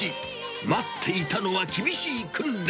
待っていたのは厳しい訓練。